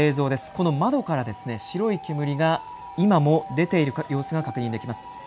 この窓から白い煙が今も出ている様子が確認できます。